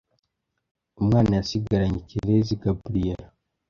umwana yasigaranye Kirezi Gabriella